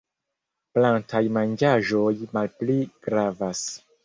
Plantaj manĝaĵoj malpli gravas.